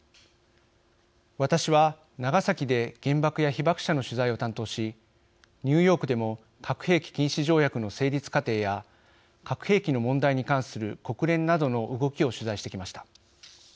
私は、長崎で原爆や被爆者の取材を担当しニューヨークでも核兵器禁止条約の成立過程や核兵器の問題に関する国連などの動きを取材してきました。